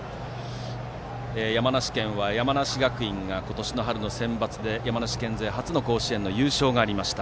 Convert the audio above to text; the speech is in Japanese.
山梨県は山梨学院が今年の春のセンバツで山梨県勢初の優勝という活躍がありました。